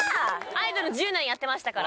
アイドル１０年やってましたから。